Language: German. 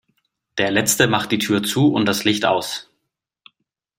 Der Letzte macht die Tür zu und das Licht aus.